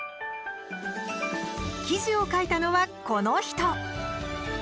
記事を書いたのは、この人。